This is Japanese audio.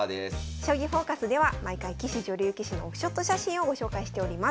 「将棋フォーカス」では毎回棋士女流棋士のオフショット写真をご紹介しております。